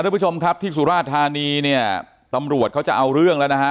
ทุกผู้ชมครับที่สุราธานีเนี่ยตำรวจเขาจะเอาเรื่องแล้วนะฮะ